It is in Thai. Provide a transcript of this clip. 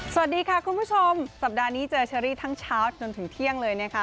สวัสดีค่ะคุณผู้ชมสัปดาห์นี้เจอเชอรี่ทั้งเช้าจนถึงเที่ยงเลยนะคะ